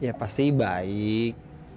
ya pasti baik